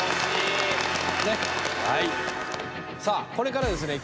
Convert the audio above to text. さあこれからですね